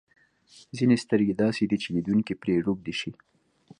ځینې سترګې داسې دي چې لیدونکی پرې روږدی شي.